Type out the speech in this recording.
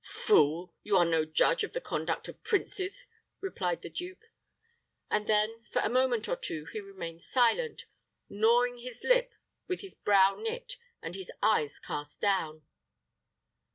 "Fool! You are no judge of the conduct of princes," replied the duke; and then, for a moment or two, he remained silent, gnawing his lip, with his brow knit, and his eyes cast down.